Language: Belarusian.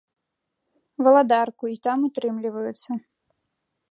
Валадарку і там утрымліваюцца.